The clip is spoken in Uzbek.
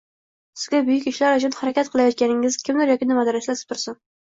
Sizga buyuk ishlar uchun harakat qilayotganingizni kimdir yoki nimadir eslatib tursin